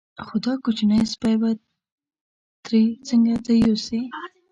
خو دا کوچنی سپی به ترې څنګه ته یوسې.